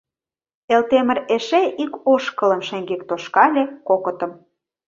Элтемыр эше ик ошкылым шеҥгек тошкале, кокытым...